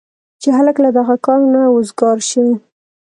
چې هلک له دغه کاره نه وزګار شو.